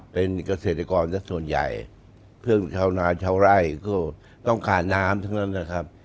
เป็นเกษตรกรสักส่วนใหญ่เพื่อนชาวนาชาวไร่ก็ต้องขาดน้ำทั้งนั้นนะครับ